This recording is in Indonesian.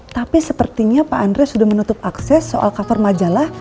tapi sepertinya pak andre sudah menutup akses soal cover majalah